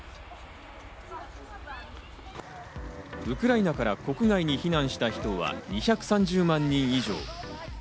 ウクライナから国外に避難した人は２３０万人以上。